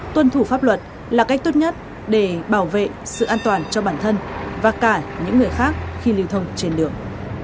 tuân thủ pháp luật là cách tốt nhất để bảo vệ sự an toàn cho bản thân và cả những người khác khi lưu thông trên đường